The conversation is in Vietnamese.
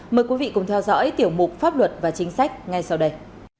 mời quý vị cùng theo dõi tiểu mục pháp luật và chính sách ngay sau đây